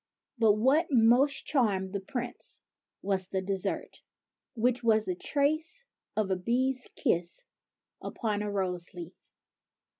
But what most charmed the Prince was the desert, which was the trace of a bee's kiss upon a rose leaf.